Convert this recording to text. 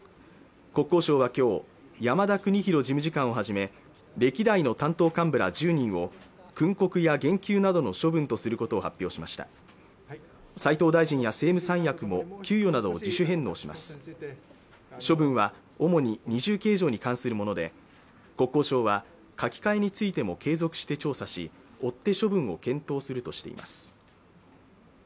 国交省は今日山田邦博事務次官をはじめ歴代の担当幹部ら１０人を訓告や減給などの処分とすることを発表しました斉藤大臣や政務三役も給与などを自主返納します処分は主に二重に関するもので国交省は書き換えについても継続して調査して処分を検討するとしています